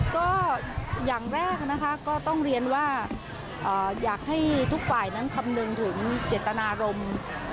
ก็อย่างแรกนะคะก็ต้องเรียนว่าอยากให้ทุกฝ่ายนั้นคำนึงถึงเจตนารมณ์